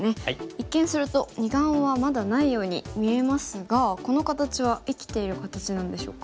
一見すると二眼はまだないように見えますがこの形は生きている形なんでしょうか？